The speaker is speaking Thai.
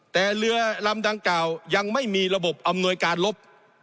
แต่เรือลำดังกล่าวยังไม่มีระบบอำนวยการลบ